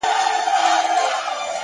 مهرباني زړونه خپلوي,